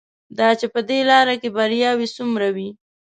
دا چې په دې لاره کې بریاوې څومره وې.